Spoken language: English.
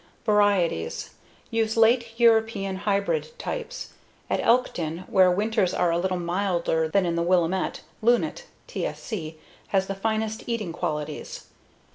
Varieties: Use late European hybrid types. At Elkton, where winters are a little milder than in the Willamette, Lunet (TSC) has the finest eating qualities.